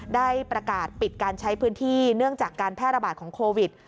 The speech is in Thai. ได้ประกาศปิดการใช้พื้นที่เนื่องจากการแพร่ระบาดของโควิด